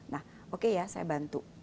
nah oke ya saya bantu